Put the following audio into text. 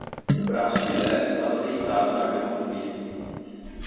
O braço de leva estava deitado na grama fria.